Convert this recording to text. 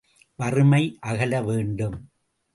வறுமை அகல வேண்டும்!